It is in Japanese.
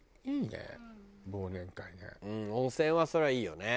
温泉はそりゃいいよね。